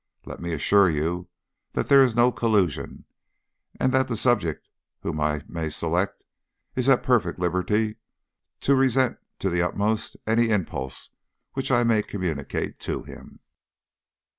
Let me assure you that there is no collusion, and that the subject whom I may select is at perfect liberty to resent to the uttermost any impulse which I may communicate to him."